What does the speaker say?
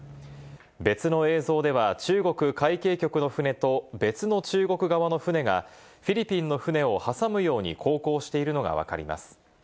別の映像では中国海警局の船と別の中国側の船がフィリピンの船を挟むように航行しているのがわかります。